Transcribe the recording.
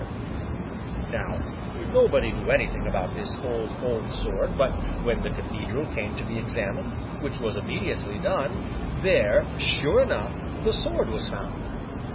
[Illustration: Joan of Arc] Now, nobody knew anything about this old, old sword, but when the cathedral came to be examined—which was immediately done—there, sure enough, the sword was found!